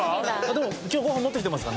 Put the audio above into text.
でも今日ご飯持ってきてますか？